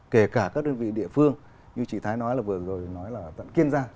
kể cả các đơn vị địa phương như chị thái nói là vừa rồi nói là kiên gia